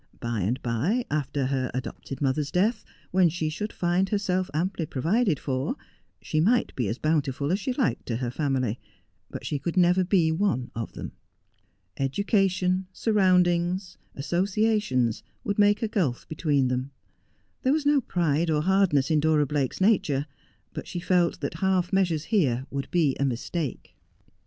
By and by, after her adopted mother's death, when she should hud herself amply provided for, she might be as bountiful as she liked to her family, but she could never be one of them. Education, surroundings, associations, would make a gulf between them. There was no pride or hardness in Dora Blake's nature, but she felt that half measures here would be a mistake.